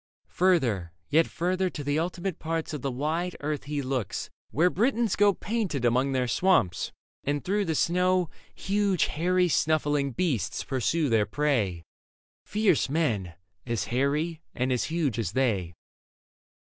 Further, yet further, to the ultimate parts Of the wide earth he looks, where Britons go Painted among their swamps, and through the snow Huge hairy snuffling beasts pursue their prey — Fierce men, as hairy and as huge as they.